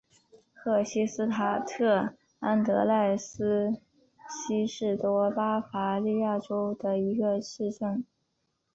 赫希斯塔特安德赖斯希是德国巴伐利亚州的一个市镇。